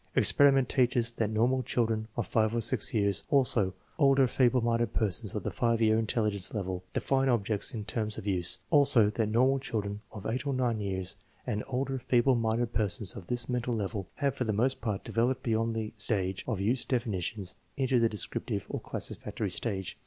Experiment teaches that nor mal children of 5 or 6 years, also older feeble minded persons of the 5 year intelligence level, define objects in terms of use; also that normal children of 8 or 9 years and older feeble minded persons of this mental level have for the most part developed beyond the stage of use definitions into the descriptive or classificatory stage.